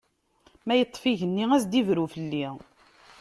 Ma yeṭṭef igenni, ad as-d-ibru fell-i!